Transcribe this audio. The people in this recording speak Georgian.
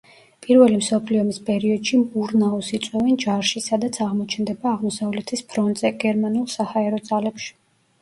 პირველი მსოფლიო ომის პერიოდში მურნაუს იწვევენ ჯარში, სადაც აღმოჩნდება აღმოსავლეთის ფრონტზე, გერმანულ საჰაერო ძალებში.